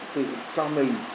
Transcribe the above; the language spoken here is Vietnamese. tự cho mình